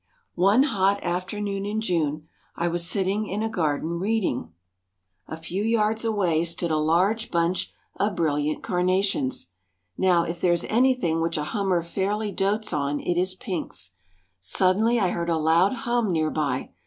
One hot afternoon in June I was sitting in a garden reading. A few yards away stood a large bunch of brilliant carnations. Now, if there is anything which a hummer fairly dotes on it is pinks. Suddenly I heard a loud hum near by.